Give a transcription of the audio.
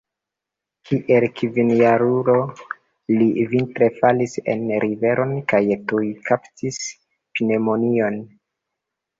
Kiel kvinjarulo li vintre falis en riveron kaj tuj kaptis pneŭmonion.